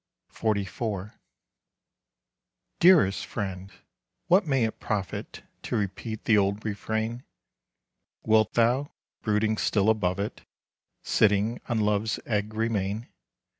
XLIV. "Dearest friend, what may it profit To repeat the old refrain? Wilt thou, brooding still above it, Sitting on love's egg remain!